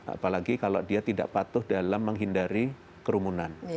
apalagi kalau dia tidak patuh dalam menghindari kerumunan